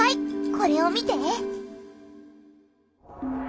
これを見て！